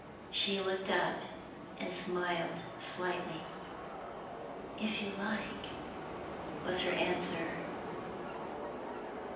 She looked up and smiled slightly. "If you like," was her answer.